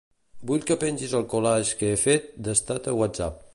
Vull que pengis el collage que he fet d'estat a Whatsapp.